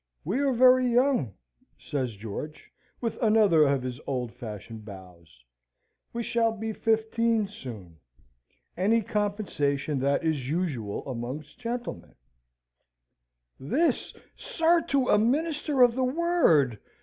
"We are very young," says George, with another of his old fashioned bows. "We shall be fifteen soon. Any compensation that is usual amongst gentlemen" "This, sir, to a minister of the Word!"